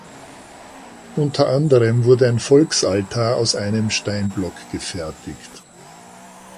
Unter anderem wurde ein Volksaltar aus einem Steinblock gefertigt.